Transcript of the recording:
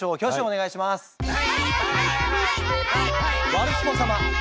ワルスポ様。